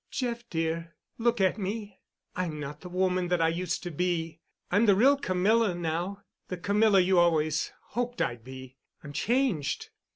"Jeff, dear, look at me. I'm not the woman that I used to be. I'm the real Camilla, now—the Camilla you always hoped I'd be. I'm changed.